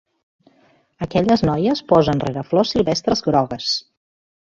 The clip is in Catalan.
Aquelles noies posen rere flors silvestres grogues.